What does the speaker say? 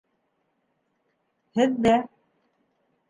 Һеҙҙә.